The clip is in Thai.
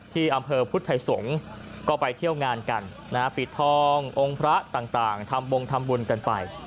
ที่อำเภอพุทธไทยสงฆ์ก็ไปเที่ยวงานกันนะฮะปิดทององค์พระต่างทำบงทำบุญกันไป